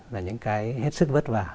là những cái hết sức vất vả